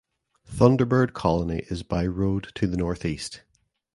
Thunderbird Colony is by road to the northeast.